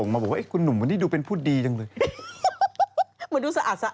ไม่พูดกล้าพูดวันเกิด